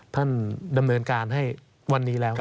ดำเนินการให้วันนี้แล้ว